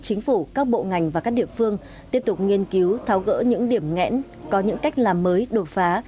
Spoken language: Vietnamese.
chính phủ các bộ ngành và các địa phương tiếp tục nghiên cứu tháo gỡ những điểm ngẽn có những cách làm mới đột phá